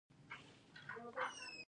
د څړځایونو تبدیلول په ځمکو غلط دي.